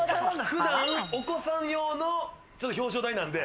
普段、お子さん用の表彰台なんで。